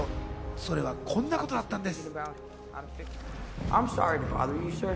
それは、こんなことだったんです。